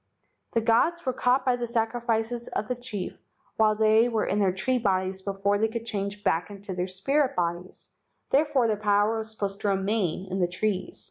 The gods were caught by the sacrifices of the chief while they were in their tree bodies before they could change back into their spirit bodies, therefore their power was supposed to remain in the trees.